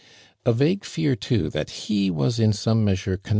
A vague fear too that he w«(s in seme moMttre cow.